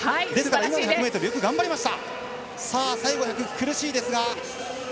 今の１００ｍ、よく頑張りました。